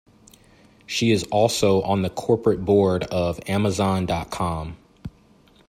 She is also on the corporate board of Amazon dot com.